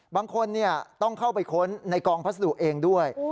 บางคนต้องเข้าไปค้นในกองพัสดุเองด้วย